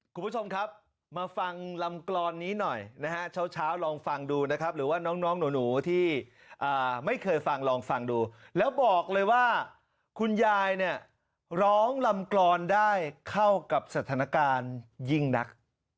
คุณผู้ชมครับมาฟังลำกรอนนี้หน่อยนะฮะเช้าลองฟังดูนะครับหรือว่าน้องหนูที่ไม่เคยฟังลองฟังดูแล้วบอกเลยว่าคุณยายเนี่ยร้องลำกรอนได้เข้ากับสถานการณ์ยิ่งนัก